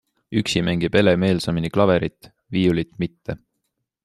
Üksi mängib Ele meelsamini klaverit, viiulit mitte.